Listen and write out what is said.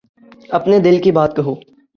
اپنے دل کی بات کہو۔